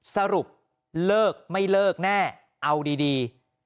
สรุปเลิกไม่เลิกแน่เอาดี